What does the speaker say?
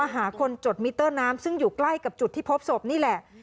หาคนจดมิเตอร์น้ำซึ่งอยู่ใกล้กับจุดที่พบศพนี่แหละ